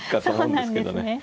そうなんですね。